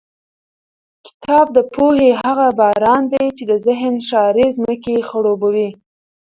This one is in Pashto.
کتاب د پوهې هغه باران دی چې د ذهن شاړې ځمکې خړوبوي.